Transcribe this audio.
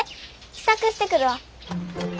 支度してくるわ。